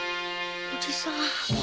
おじさん。